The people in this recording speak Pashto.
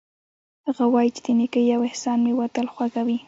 هغه وایي چې د نیکۍ او احسان میوه تل خوږه وي